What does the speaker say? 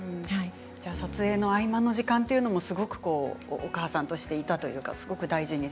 撮影の合間の時間もすごくお母さんとしていたというかすごく大事に。